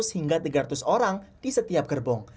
dua ratus hingga tiga ratus orang di setiap gerbong